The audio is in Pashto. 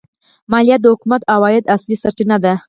مالیه د حکومت د عوایدو اصلي سرچینه ده.